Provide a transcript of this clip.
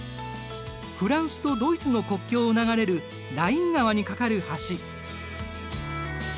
フランスとドイツの国境を流れるライン川に架かる橋。